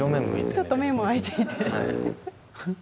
ちょっと目も開いていて。